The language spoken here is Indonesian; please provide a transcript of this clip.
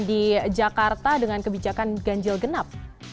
di jakarta dengan kebijakan ganjil genap